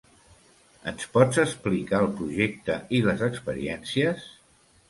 Ens pots explicar el projecte i les experiències?